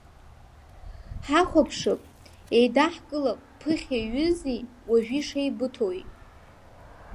Ҳахәаԥшып, еидаҳкылап ԥыхьа иҩызи, уажәы ишеибыҭоуи.